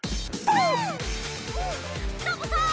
サボさん。